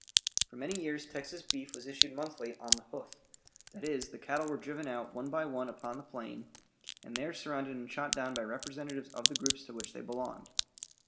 For many years Texas beef was issued monthly "on the hoof"; that is, the cattle were driven out one by one upon the plain, and there surrounded and shot down by representatives of the groups to which they belonged.